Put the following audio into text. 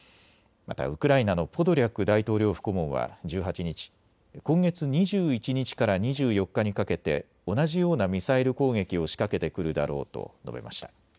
またウクライナのポドリャク大統領府顧問は１８日、今月２１日から２４日にかけて同じようなミサイル攻撃を仕掛けてくるだろうと述べました。